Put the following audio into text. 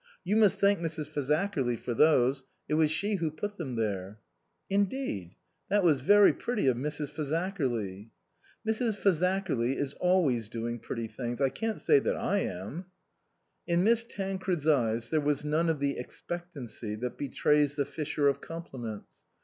" You must thank Mrs. Fazakerly for those ; it was she who put them there." " Indeed ? That was very pretty of Mrs. Fazakerly." " Mrs. Fazakerly is always doing pretty things. I can't say that I am." In Miss Tancred's eyes there was none of the expectancy that betrays the fisher of compli ments.